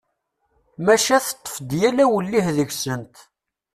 Maca teṭṭef-d yal awellih deg-sent.